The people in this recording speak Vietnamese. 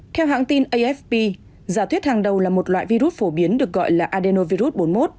theo hãng tin afp giả thuyết hàng đầu là một loại virus phổ biến được gọi là adenovirus bốn mươi một